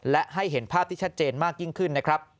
และให้เห็นภาพที่ชัดเจนมากยิ่งขึ้นนะครับ